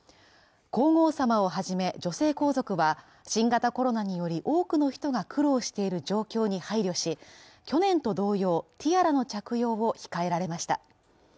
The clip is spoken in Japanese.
皇后さまをはじめ女性皇族は、新型コロナにより多くの人が苦労している状況に配慮し、去年と同様、ティアラの着用を控えられました。